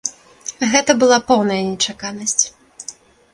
Гэта была поўная нечаканасць.